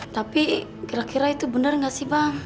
tapi kira kira itu benar nggak sih bang